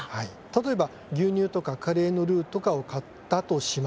例えば、牛乳とかカレーのルーとかを買ったとします。